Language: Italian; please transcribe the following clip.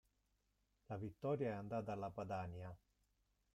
La vittoria è andata alla Padania.